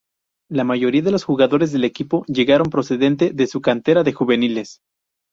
La mayoría de los jugadores del equipo llegaron procedente de su cantera de juveniles.